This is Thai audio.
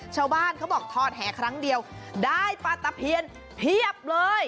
ชาวบ้านเขาบอกทอดแห่ครั้งเดียวได้ปลาตะเพียนเพียบเลย